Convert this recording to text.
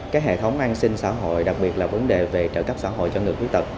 các hệ thống an sinh xã hội đặc biệt là vấn đề về trợ cấp xã hội cho người khuyết tật